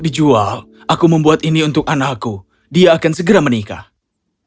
dijual aku membuat ini untuk anakku dia akan segera menikah padahal itu sangat indah tapi